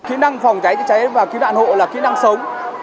kỹ năng phòng cháy chữa cháy và cứu nạn hộ là kỹ năng sống